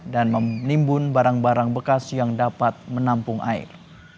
dan menimbun barang barang bekas yang dapat menampung air